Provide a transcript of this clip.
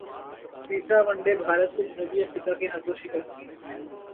تیسرا one day Bharat کو جنوبی افریقا کے ہاتھوں شکست